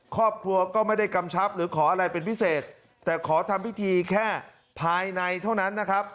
ครอบครัวก็ไม่ได้กำชับหรือขออะไรเป็นพิเศษแต่ขอทำพิธีแค่ภายในเท่านั้นนะครับ